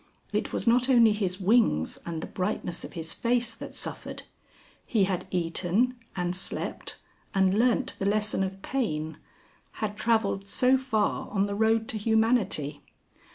It was not only his wings and the brightness of his face that suffered. He had eaten and slept and learnt the lesson of pain had travelled so far on the road to humanity.